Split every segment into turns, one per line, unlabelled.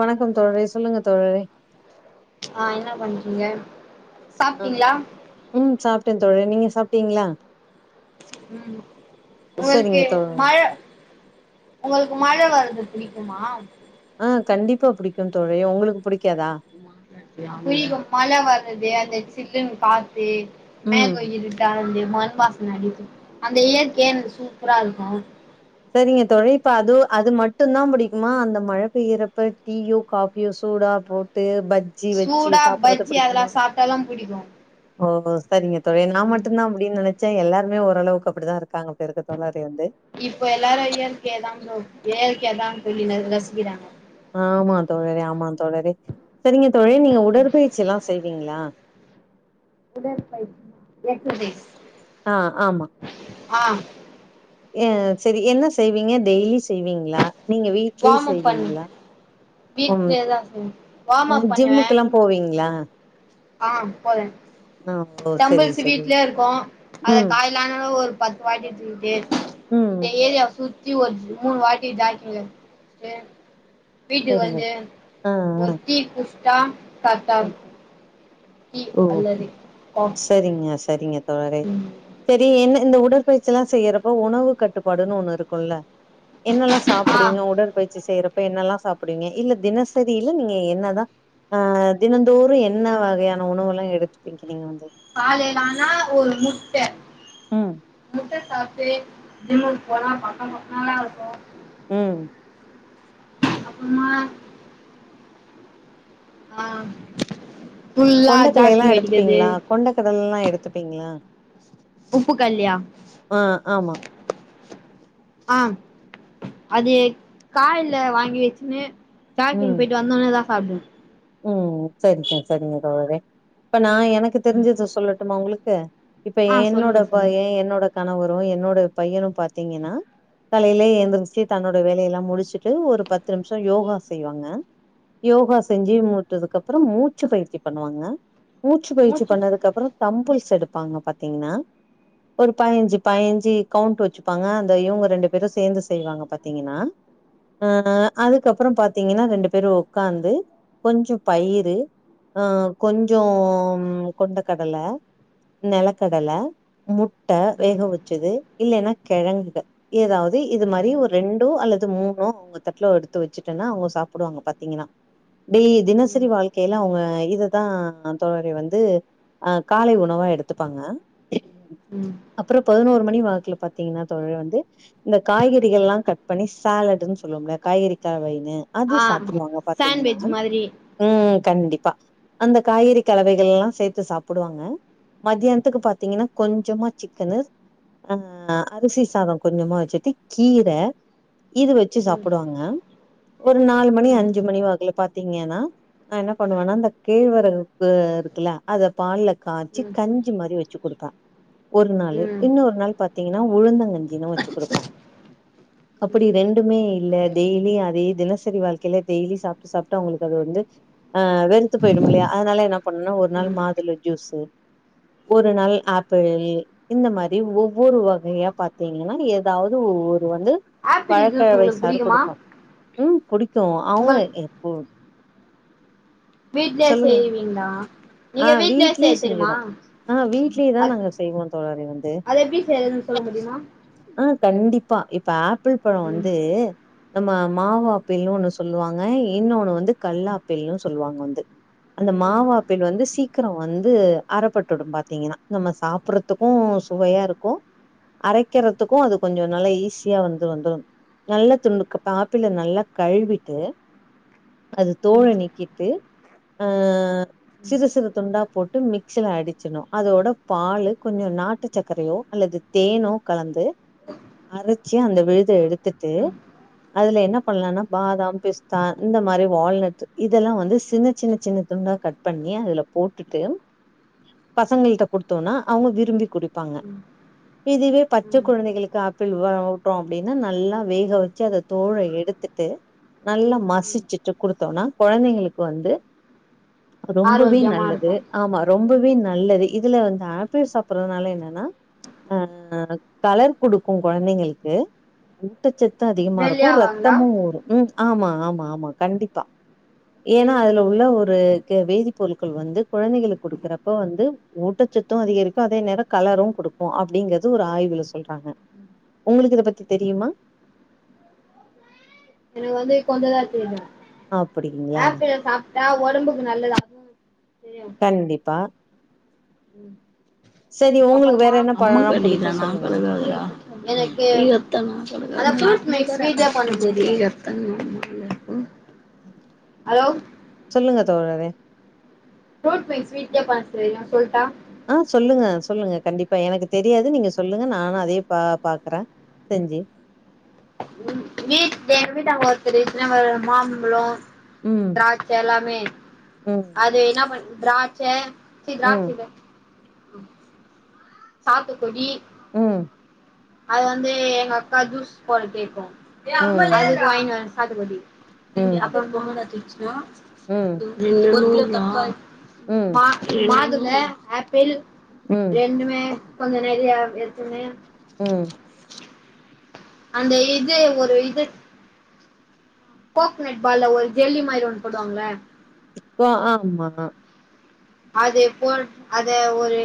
வணக்கம் தோழரே சொல்லுங்க தோழரே
ஆ என்னா பண்றீங்க
அ
சாப்ட்டீங்களா
ம் சாப்ட்டே தோழர நீங்க சாப்ட்டீங்களா
உம்
சரிங்க
உங்களுக்கு
தோழரே
மழ உங்களுக்கு மழ வரு து பிடிக்குமா
ஆ கண்டிப்பா புடிக்கும் தோழி உங்களுக்கு புடிக்
[unintelligible] மழ வருது அந்த சில்லுன்னு காத் து
ம்
மெகோ இருட்டானது மண்வாசன அடிக்கு அந்த
ம்
இயற்கையே எனக்கு சூ ப்பரா இருக்கு
சரிங்க தோழி இப்போ அது அது மட்டுந்தா புடிக்குமா அந்த மழ பெயிறப்ப டீயோ காபியோ சூடா போட்டு பஜ்ஜி வெச்சு
சூடா
சாப்படுறது
பஜ்ஜி அதெல்லா
பிடிக்குமா
சாப்ட்டாலு புடிக்கு
ஓ ஓ சரிங்க தோழி நா
ம்
மட்டுந்தா அப்பிடின்னு நெனைச் ச்ச எல்லாருமே ஓரளவுக்கு அப்படிதா இருக்காங்க இப்ப இருக்குரதாலி வந்து
இப்போ எல்லாரு இயற்கைதா ப்ரோ இயற்கைதான்னு சொல்லி ந ரசிக்கிறாங்க
ஆமா தோழரே ஆமா தோழரே சரிங்க தோழி நீங்க உடற்பயிற்சி எல்லா செய்வீங்களா
உடற்பயிற்சி எக்சர்சைஸ்
ஆ ஆமா
ஆ
ஆ செரி என்ன செய்வீங்க டெய்லி செய்வீங்களா நீங்க வீட்லயே செய்வீங்களா ம்
வீடலயேதா செய்வோ
ம்
வாம்அப் பண்ணுவே
ஜிம்முக்கெல்லாம் போவீங்களா?
ஆ போல
ஆ ஓ சரி,
டம்புள்ஸ்
சரி.
வீட்லயே இருக்கு அத
ம்,
காலயலான ஒரு பத்து வாட்டி தூக்கிட்டு
ம்,
இந்த
ம்.
ஏரியாவ சுத்தி ஒரு மூணு வாட்டி ஜாக்கிங் வந்துட்டு வீட்டுக்கு
சரிங்க.
வந்து
ஆ,
ஒரு
ஆ.
டி குடிச்சிட்டா கரெக்டா
ம்.
இருக்கு டீ
ஓ
அல்லது காஃபி
சரிங்க சரிங்க தோழரே சரி என்ன இந்த உடற்பயிற்சில்லா செய்யறப்போ உணவு கட்டுப்பாடுன்னு ஒண்ணு இருக்குல்ல என்னல்லா
ஆ
சாப்பிடுவிங்க உற்பயிற்சி செய்யறப் இப்ப என்னல்லா சாப்பிடுவீங்க இல்ல தினசரி இல்ல நீங்க என்னதா ஆ தினந்தோறு என்ன வகையான உணவெல்லா எடுத்துப்பிங்க நீங்க வந்து
காலையிலானா ஒரு முட்ட
உம்
முட்ட சாப்டு ஜிம்முக்கு போன பக்கம் பக்கமா இருக்கு
உம்
அப்பறமா ஆ ஃபுல்லா
கொண்ட கடலையலா
ஜாக்கிங் அடிக்கிறது
எடுத்துப்பீங்களா கொண்ட கடலைலா எடுத்துப்பீங்களா
உப்பு கல்யா
ஆ ஆமா
ஆ அது காலையில வாங்கி வெச்சுன்னு சாகிங் போயிட்டு வந்தோனேதா சாப்பிடுவே
உம் சரிங்க சரிங்க தோழரே இப்ப நா எனக்கு தெரிஞ்சது சொல்லட்டுமா உங்களுக்கு இப்ப
ஆ
என்னோட
சொல்லுங்க சொல்லுங்க
பைய என்னோட கணவரு என்னோட பையனு பாத்தீங்கன்னா கலையில எந்திரிச்சு தன்னோட வேலையெல்லா முடிச்சுட்டு ஒரு பத்து நிமிஷோ யோகா செய்வாங்க யோகா செஞ் சு மூட்டதுக்கு அப்புறோ மூச்சு பயிற்சி பண்ணுவாங்க மூச்சு பயிற்சி பண்ணது கப்புரோ தம்புள்ஸ் எடுப்பாங்க பாத்தீங்கன்னா ஒரு பயிஞ்சு பயிஞ்சு கவுண்ட் வச்சுப்பாங்க அந்த இவங்க ரெண்டு பேரு சேந்து செய்வாங்க பாத்தீங்கன்னா ஆ அதுக்கப்புறோ பாத்தீங்கன்னா ரெண்டு பேரு உக்காந்து கொஞ்சு பயிரு ஆ கொஞ்சு கொண்ட கடல நெலக்கடல மு ட்ட வேக
ம்
வச்சது இல்லன்னா கெழங்குக ஏதாவது இது மாரி ஒரு ரெண்டோ அல்லது மூணு அவங்க தட்ல எடுத்து வச்சுட்டேன்னா அவங்க சாப்பிடுவாங்க பாத்தீங்கன்னா ப்படி தினசரி
ம்
வாழ்க்கையில அவங்க இதுதான் தோழரே வந்து ஆ காலை உணவா எடுத்துப்பாங்க
ம்
அப்புறம் பதினோரு மணி ல வாக்குல பாத்தீங்கன்னா தோழர வந்து இந்த காய்கறிகள் எல்லா கட் பண்ணி சாலட் சொல்வோம்ல காய்கறி [unintelligible] அது
ஆ
சாப்டுவாங்க பாத்தீங்கன்னா
சாண்ட்விச் மாதிரி
ம் கண்டிப்பா அந்த காய்கறி கலவைகள் எல்லா சேத்து சாப்டுவாங்க மத்தியானத்துக்கு பாத்தீங்கன்னா கொஞ்ஜமா சிக்கனு ஆ அரிசி சாதோ கொஞ்ஜமா வச்சுட்டு கீர இது வச்சி
ம்
சாப்டுவாங்க ஒரு நாலு மணி
ம்
அஞ்சு மணி வாக்ல பாத்தீங்கன்னா நா என்ன பண்ணுவேனா அந்த கேழ்வரகுக்கு இருக்குல அத பால்ல காச்சி
ம்
கஞ்சி மாரி வச்சி குடுப்ப ஒரு நாளு
ம்
இன்னொரு நாளு பாத்தீங்கன்னா உழுந்தங்கஞ்சின்னு வச்சி குடுப்ப அப்டி ரெண்டுமே இல்ல டெய்லி அதே தினசரி வாழ்க்கையில டெய்லி சாப் சாப்ட்டு சாப்ட்டு அவங்ளுக்கு அது வந்து ஆ வெறுத்து போயிடும்ல அதனால என்ன பண்ணும்னா ஒரு நாள்
ம்
மாதுள ஜூசூ ஒரு நாள் ஆப்பிள் இந்த மாரி ஒவ்வொரு வகையா பாத்தீங்கன்னா ஏதாவ்து ஒவ்வொரு இது வந்து
ஆப்பிள் ஜூஸ்
பழக்கவகை
உங்களுக்கு
சாறு
புடிக்குமா
குடுக்கு ம் புடிக்கு அவங்க
உங்களுக்கு
எப்ப
வீட்லே செய்வீங்ளா
ஆ வீட்லே செஞ்சிரோ ஆ வீட்லே தா
அது
நாங்க செய்வோ தோழறே வந்து
அது எப்டி செய்றதுன்னு சொல்ல முடியுமா
ஆ கண்டிப்பா இப்ப ஆப்பிள் பழோ
ம்
வந்து நம்ப மாவ் ஆப்பிள்னு ஒண்ணு சொல்லுவாங்க இன்னொன்னு வந்து கல்லாப்பில்லுனு சொல்வாங்க வந்து அந்த
ம்
மாவாப்பிள் வந்து சீக்ரோ வந்து அறப்பட்டுடு பாத்தீங்கன்னா நம்ப சாப்றதுக்கு சுவையா இருக்கு அரைக்கரத்துக்கு அது கொஞ்ஜோ நல்லா ஈஸியா வந்து வந்ரு நல்ல துண்ணுக்கு இப்ப ஆப்பிள் நல்லா கழுவிட்டு அது தோழ
ம்
நீக்கிட்டு ஆ சிறு சிறு துண்டா போட்டு மிக்சில அடிச்சினு அதோட பாலு கொஞ்ஜோ நாட்டு சக்கரையோ அல்லது தேனோ கலந்து அரச்சி அந்த விழுத எடுத்துட்டு
ம்
அதுல என்ன பண்ணலானா பாதாம் பிஸ்தா இந்த மாரி வால்நட் இதெல்லா வந்து சின்ன சின்ன சின்ன துண்டா கட் பண்ணி அதுல போட்டுட்டு பசங்கள்ட்ட குடுத்தோனா அவங்க விரும்பி குடிப்பாங்க
ம்
இதுவே பச்ச
ம்
கொழந்தைகளுக்கு ஆப்பிள் வா வுட்டோனா அப்டின்னா நல்லா வேக வச்சு அத தோழ எடுத் எடுத்துட்டு நல்லா
ம்
மசிசிட்டு குடுத்தோனா கொழந்தைகளுக்கு வந்து ரொம்பவே
ஆரோக்கியமா
நல்லது
இருக்கு
ஆமா ரொம்ப வே நல்லது இதுல வந்து ஆப்பிள் சாப்பட்றதுனால என்னன்னா அன்ட் எனக்கு கலர் குடுக்கு கொழந்தைங்களுக்கு ஊட்டச்சத் த்தோ அதிகமா இருக்கு
வெளிய வாங்களா
ரத்தமு ஊரு ம் ஆமா ஆமா ஆமா கண்டிப்பா ஏன்னா அதுல உள்ள ஒரு கே வேதிப்பொருட்கள் வந்து கொழந்தைகளுக்கு குடுக்குறப்ப வந்து ஊட்ட ச்சத்து அதிகரிக்கு அதே நேரோ கலரு குடுக்கு அப்டிங்கறது ஒரு ஆய்வுல சொல்றாங்க ஒங்ளுக்கு இத பத்தி தெரியுமா
ஓ ப்ரென் எனக்கு வந்து கொஞ்ஜோதா தெரியு
அப்டிங்களா
ஆப்பிள சாப்ட்டா ஒடம்புக்கு நல்லது [inaudible] தெரியு
கண்டிப்பா சரி உங்களுக்கு வேற
அப்றமா
என்ன
அம்மா
பழல்லா புடிக்கு
சொல்லிருக்காங்க
சொல்லுங்க
[unintelligible]
ம்
அதுக்கு எத்தன அத ஜூஸ் ஹலோ
தோழறே
[unintelligible] ஸ்வீட் கே நா சொல்ட்டா
ஆ சொல்லுங்க சொல்லுங்க கண்டிப்பா எனக்கு தெரியாது நீங்க சொல்லுங்க நானு அதயே பா பாக்றே செஞ்சி
வீட் [unintelligible] நாங்க மாம்ழோ
ம்
திராட்ச்ச எல்லாமே
ம்
அது இன்னா பண் திராட்ச்ச
ம்
[unintelligible] சாத்துகுடி
ம்
அது வந்து எங்க அக்கா ஜூஸ் போட போய்ருக்கு அது
ம்
வாங்கிட் வர சாத்துகுடி ரெண்டு
ம்
அப்புற போறடிச்சுசுன்னா
ம் ம்
மா மாதுள ஆப்பிள்
ம்
ரெண்டுமே கொஞ்ச நெறையா எடுத்துனு
ம்
அந்த இது ஒரு இது கோக்னட் பால்ல ஒரு ஜெல்லி மாரி ஒன்னு போடுவாங்கள
ஓ ஆமா
அது போ அத ஒரு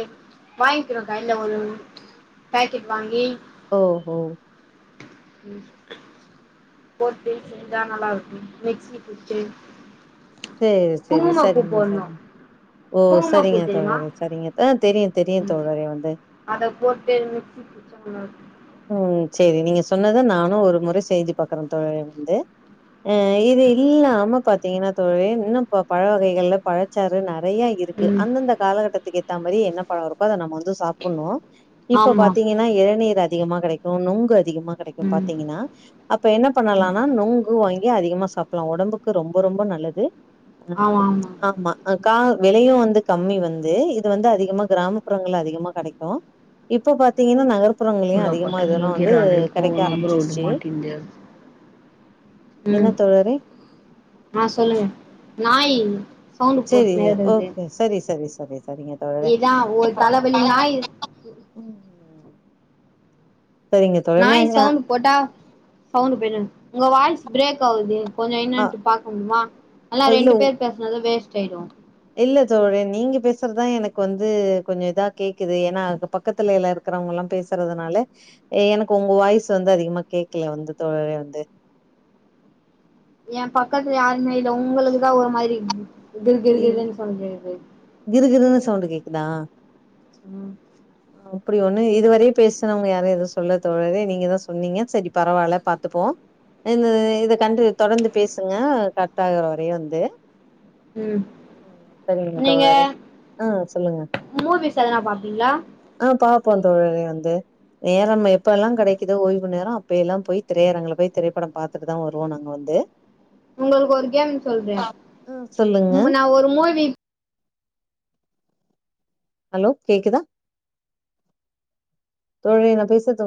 வாங்கிக்கிறோக்கா இல்ல ஒரு பேக்கெட் வாங்கி
ஓஹோ
போட்டு செஞ்சா நல்லா இருக்கு மிக்சி குச்சே
சேரி சேரி சரிங்க சரிங்க ஓ செரிங்க
குங்குமப்பூ தெரியுமா
தோழரே செரிங்க அ தெரியு தெரியு தோழரே வந்து
மிக்சி குச்ச
ம் சேரி நீங்க சொன்னத நானு ஒரு முறை செஞ்சு பாக்குறே தோழரே வந்து ம் இது இல்லாம பாத்தீங்கன்னா தோழரே இன்னு பழ வகைகள்ல பழச்சாறு நெறை நெறையா இருக்கு
ம்
அந்தந்த காலகட்டத்துக்கு ஏத்த மாரி என்ன பழ இருக்கோ அத நம்ம வந்து சாப்ட்ணு இப்ப
ஆமா
பாத்தீங்கன்னா இளநீர் அதிகமா கிடைக்கு நொங்கு அதிகமா கிடைக்கு
ம்
பாத்தீங்கன்னா அப்ப என்ன
ம்
பண்ணலானா நொங்கு வாங்கி கி அதிகமா சாப்பிடலா உடம்புக்கு ரொம்ப ரொம்ப நல்லது அ ஆமா கா விலையு வந்து கம்மி வந்து இது வந்து அதிகமா கிராமப்புறங்கள்ல அதிகமா கிடைக்கு இப்ப பாத்தீங்கன்னா நகர்புறங்
உள்ள
அதிகமா
பட்டன்
இதெல்லா
முகிற
வந்து
அறைக்கு
கிடைக்க
நம்பர விட
ஆரம்பிச்சிருச்சு
மாட்டேன்து
என்ன தோழரே
அ சொல்லுங்க நாய் சவுண்டு
சேரி
போட்டுனே இருக்குது
ஓகே சரி சரி சரி சரிங்க தோழரே
இதா ஒரு தலவலி நாய்
சரிங்க தோழரே
நாய்
மேங்க
சவுண்ட் போட்டா சவுண்ட் போயிடு உங்க வாய்ஸ் பிரேக் ஆவுதே கொஞ்ச
ஆ
இன்னான்ட்டு பாக்க முடியுமா இல்ல ரெண்டு பேர் பேசுனது வேஸ்ட் ஆயிடு
இல்ல தோழரே நீங்க பேசுறதுதா எனக்கு வந்து கொஞ்ச இதா கேக்குது ஏன்னா பக்கத்துல எல்லா இருக் இருக்குறவங்க எல்லா பேசுறதுனால எனக்கு உங்க வாய்ஸ் வந்து அதிகமா கேக்கல வந்து தோழரே வந்து
எ பக்கத்துல யாருமே இல்ல உங்களுக்குதா ஒரு மாதிரி இருக்கு
இ
கிறுகிறுகிறுனு சவுண்டு கேக்குது
கிறுகிறுன்னு சவுண்டு கேக்குதா
அ
அப்டி ஒண்ணு இதுவரயு பேசுனவுங்க யாரு எதுவு சொல்ல தோழரே நீங்கதா சொன்னீங்க சரி பரவால்ல பாத்துப்போ இந்த இத கண்டு தொடர்ந்து பேசுங்க கட் ஆகுற வரையு வந்து
ம்
ம் சரிங்க
நீங்க
தோழரே ம் சொல்லுங்க
மூவிஸ் எதனா பாப்பீங்களா
அ பாப்போ தோழரே வந்து நேரம் எப்ப எல்லா கிடைக்குதோ ஓய்வு நேரோ அப்ப எல்லா போய் திரையரங்குல போய் திரைப்படம் பாத்துட்டுதா வருவோ நாங்க வந்து ந்து
உங்களுக்கு ஒரு கேம் சொல்றே
ஆ சொல்லுங்க
நா ஒரு மூவி
ஹலோ கேக்குதா தோழரே நா பேசுறது உங்